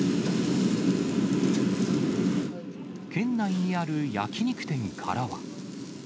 県内にある焼き肉店からは。